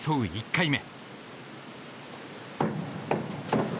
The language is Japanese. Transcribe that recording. １回目。